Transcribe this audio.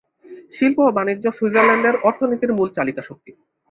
শিল্প ও বাণিজ্য সুইজারল্যান্ডের অর্থনীতির মূল চালিকাশক্তি।